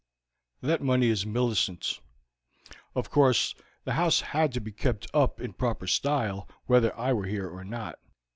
That money is Millicent's; of course the house had to be kept up in proper style whether I were here or not.